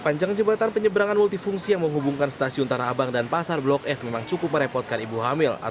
panjang jembatan penyeberangan multifungsi yang menghubungkan stasiun tanah abang dan pasar blok f memang cukup merepotkan ibu hamil